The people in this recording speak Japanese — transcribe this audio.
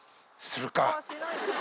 するか。